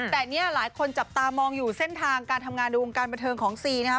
แต่เนี่ยหลายคนจับตามองอยู่เส้นทางการทำงานในวงการบันเทิงของซีนะครับ